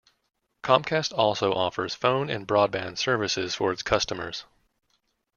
Comcast also offers phone and broadband services for its customers.